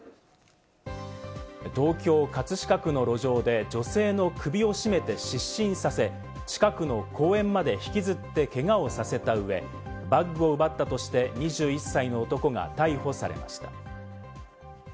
東京・葛飾区の路上で女性の首を絞めて失神させ、近くの公園まで引きずって、けがをさせた上、バッグを奪ったとして２１歳の男が逮捕されました。